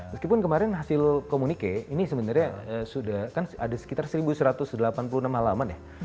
meskipun kemarin hasil komunike ini sebenarnya sudah kan ada sekitar satu satu ratus delapan puluh enam halaman ya